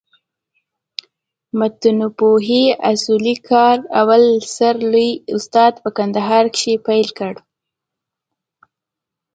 د متنپوهني اصولي کار اول سر لوى استاد په کندهار کښي پېل کړ.